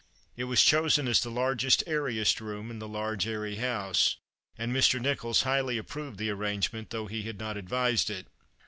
It was chosen as the largest, airiest room in the large, airy house, and Mr. Nicholls highly approved the arrange ment, though he had not advised it.